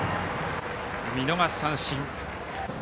見逃し三振。